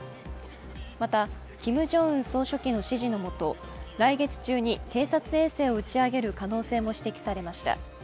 また、キム・ジョンウン総書記の指示のもと、来月中に偵察衛星を打ち上げる可能性も指摘されました。